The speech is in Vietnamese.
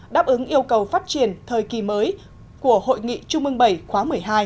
đáp ứng yêu cầu phát triển thời kỳ mới của hội nghị trung ương bảy khóa một mươi hai